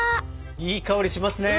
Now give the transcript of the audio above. いい香りしますね！